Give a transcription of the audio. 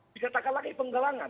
dikatakan lagi penggalangan